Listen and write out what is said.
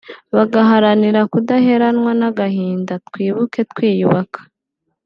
bagaharanira kudaheranwa n’agahinda ‘Twibuke Twiyubaka’